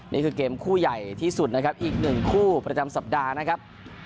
นี่คือเกมคู่ใหญ่ที่สุดนะครับอีกหนึ่งคู่ประจำสัปดาห์นะครับ